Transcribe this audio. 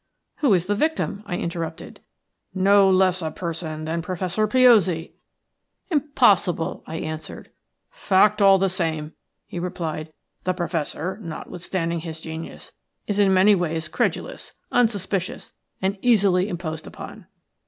"Who is the victim?" I interrupted. "No less a person than Professor Piozzi." "Impossible," I answered. "Fact, all the same," he replied. "The Professor, notwithstanding his genius, is in many ways credulous, unsuspicious, and easily imposed upon."